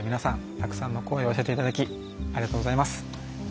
たくさんの声を寄せていただきありがとうございます。